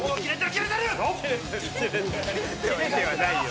キレてはないよ。